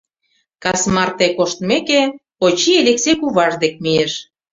Кас марте коштмеке, Очи Элексей куваж дек мийыш.